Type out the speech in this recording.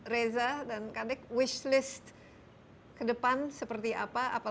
reza dan kadek wish list ke depan seperti apa